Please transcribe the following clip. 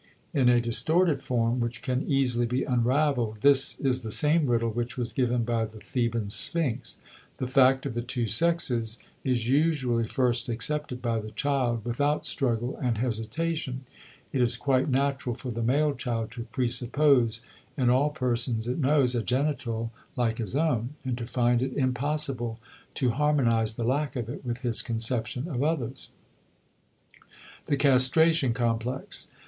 In a distorted form, which can easily be unraveled, this is the same riddle which was given by the Theban Sphinx. The fact of the two sexes is usually first accepted by the child without struggle and hesitation. It is quite natural for the male child to presuppose in all persons it knows a genital like his own, and to find it impossible to harmonize the lack of it with his conception of others. *The Castration Complex.